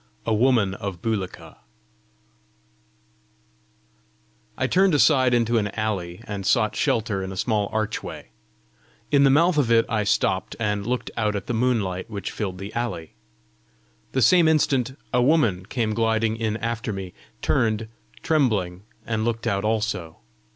A WOMAN OF BULIKA I turned aside into an alley, and sought shelter in a small archway. In the mouth of it I stopped, and looked out at the moonlight which filled the alley. The same instant a woman came gliding in after me, turned, trembling, and looked out also.